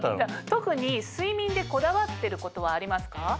特に睡眠でこだわってることはありますか？